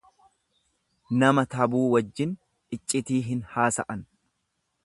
Nama tabuu wajjin iccitii hin haasa'an.